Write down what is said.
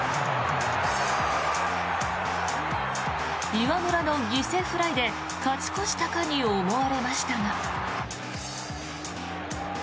岩村の犠牲フライで勝ち越したかに思われましたが。